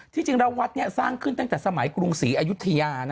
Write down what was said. จริงแล้ววัดนี้สร้างขึ้นตั้งแต่สมัยกรุงศรีอายุทยา